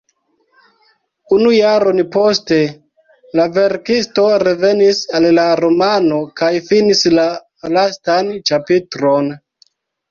Unu jaron poste la verkisto revenis al la romano kaj finis la lastan ĉapitron.